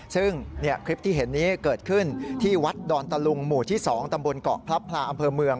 ซึ่งคลิปที่เห็นนี้เกิดขึ้นที่วัดดอนตะลุงหมู่ที่๒ตำบลเกาะพลับพลาอำเภอเมือง